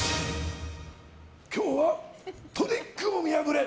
今日はトリックを見破れ！